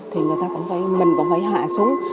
thì người ta cũng phải mình cũng phải hạ xuống